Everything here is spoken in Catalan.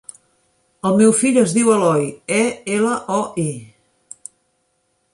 El meu fill es diu Eloi: e, ela, o, i.